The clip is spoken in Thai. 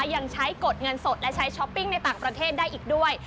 ยังใช้กดเงินสดและใช้ช้อปปิ้งในต่างประเทศได้อีกด้วย